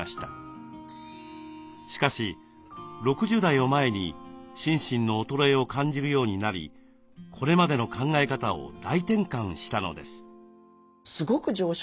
しかし６０代を前に心身の衰えを感じるようになりこれまでの考え方を大転換したのです。